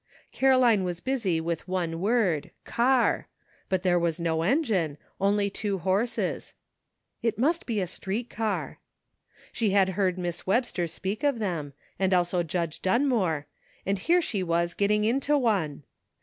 Caroline was busy with one word, "car," but there was no engine, only two horses. " It must be a street car." She had heard Miss Webster speak of them, and also Judge Dun more, and here she was get ting into one